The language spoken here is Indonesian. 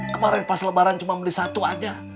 kemarin pas lebaran cuma beli satu aja